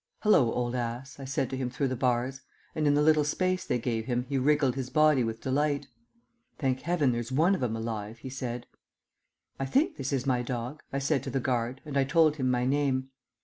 "Hallo, old ass," I said to him through the bars, and in the little space they gave him he wriggled his body with delight. "Thank Heaven there's one of 'em alive," he said. "I think this is my dog," I said to the guard, and I told him my name.